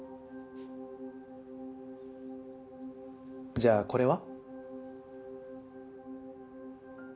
じゃあこれは？